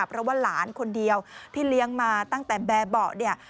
เพราะว่าหลานคนเดียวที่เลี้ยงมาตั้งแต่แบบเบาะเนี่ย